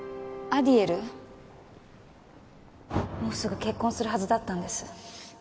もうすぐ結婚するはずだったんです